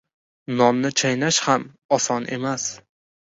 • Nonni chaynash ham oson emas.